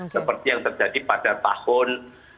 seperti yang terjadi pada tahun